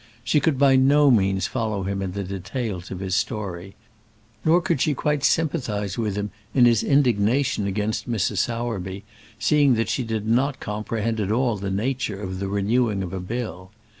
She could by no means follow him in the details of his story; nor could she quite sympathize with him in his indignation against Mr. Sowerby, seeing that she did not comprehend at all the nature of the renewing of a bill.